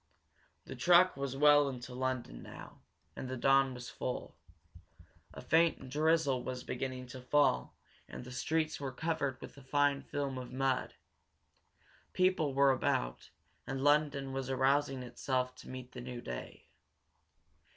The truck was well into London now, and the dawn was full. A faint drizzle was beginning to fall and the streets were covered with a fine film of mud. People were about, and London was arousing itself to meet the new day.